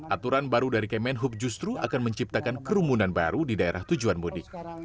aturan baru dari kemenhub justru akan menciptakan kerumunan baru di daerah tujuan mudik